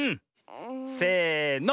せの。